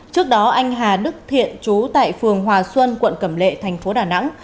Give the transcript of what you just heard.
trước đó anh hà đức thiện chú tại phường hòa xuân quận cầm lệ tp đà nẵng